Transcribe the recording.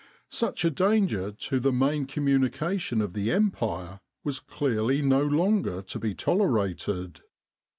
Such a danger to the main com munication of the Empire was clearly no longer to be tolerated.